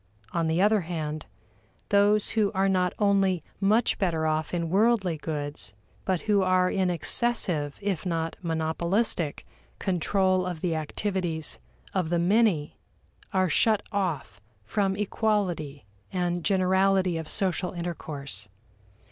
On the other hand, those who are not only much better off in worldly goods, but who are in excessive, if not monopolistic, control of the activities of the many are shut off from equality and generality of social intercourse.